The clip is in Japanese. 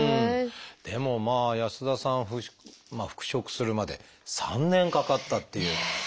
でも安田さん復職するまで３年かかったっていう。